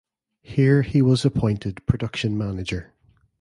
Here he was appointed production manager.